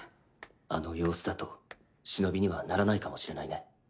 あの様子だと忍にはならないかもしれないね。